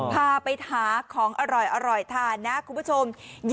พาไปหาของอร่อยทานนะคุณผู้ชม